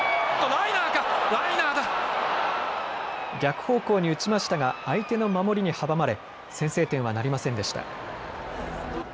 逆方向に打ちましたが相手の守りに阻まれ先制点はなりませんでした。